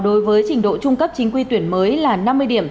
đối với trình độ trung cấp chính quy tuyển mới là năm mươi điểm